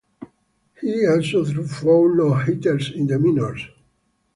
He also threw four no-hitters in the minors.